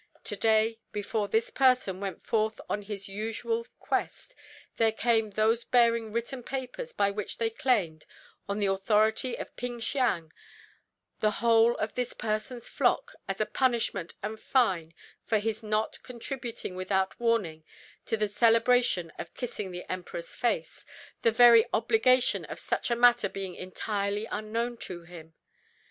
To day, before this person went forth on his usual quest, there came those bearing written papers by which they claimed, on the authority of Ping Siang, the whole of this person's flock, as a punishment and fine for his not contributing without warning to the Celebration of Kissing the Emperor's Face the very obligation of such a matter being entirely unknown to him.